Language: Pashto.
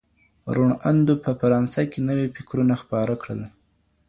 روڼ اندو په فرانسه کي نوي فکرونه خپاره کړل.